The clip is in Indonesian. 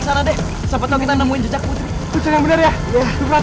satu orang garlic